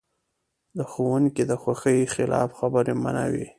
د ښوونکي د خوښې خلاف خبرې منع وې.